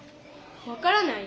わからない？